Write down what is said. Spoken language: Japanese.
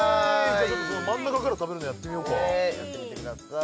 じゃあ真ん中から食べるのやってみようかやってみてください